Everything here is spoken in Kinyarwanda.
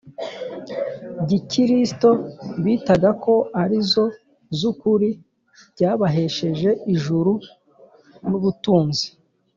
Gikiristo bitaga ko ari zo z ukuri byabahesheje ijuru n ubutunzi